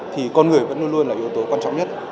thì con người vẫn luôn luôn là yếu tố quan trọng nhất